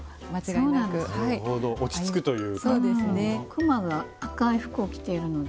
クマが赤い服を着ているので。